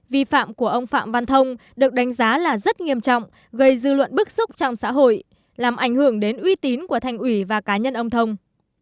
vi phạm của ông phạm văn thông được đánh giá là rất nghiêm trọng gây dư luận bức xúc trong xã hội làm ảnh hưởng đến uy tín của thành ủy và cá nhân ông thông